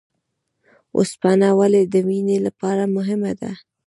اوسپنه ولې د وینې لپاره مهمه ده؟